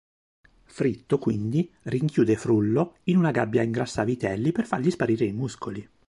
Fritto quindi rinchiude Frullo in una gabbia ingrassa-vitelli per fargli sparire i muscoli.